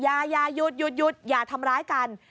อย่าหยุดหยุดอย่าทำร้ายกัน